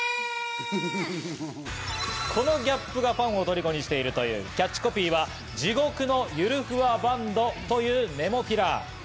このギャップがファンを虜にしているというキャッチコピーは、地獄のゆるふわバンドというＮＥＭＯＰＨＩＬＡ。